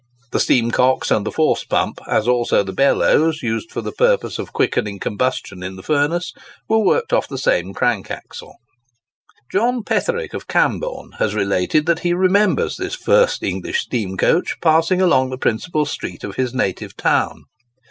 The steam cocks and the force pump, as also the bellows used for the purpose of quickening combustion in the furnace, were worked off the same crank axle. John Petherick, of Camborne, has related that he remembers this first English steam coach passing along the principal street of his native town.